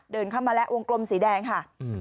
เดินเข้ามาแล้ววงกลมสีแดงค่ะ